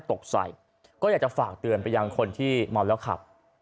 ตกใส่ก็อยากจะฝากเตือนไปยังคนที่เมาแล้วขับ